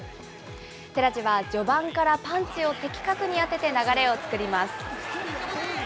寺地は序盤からパンチを的確に当てて流れを作ります。